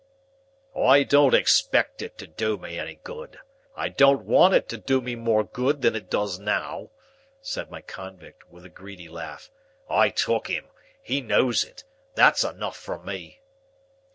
"I don't expect it to do me any good. I don't want it to do me more good than it does now," said my convict, with a greedy laugh. "I took him. He knows it. That's enough for me."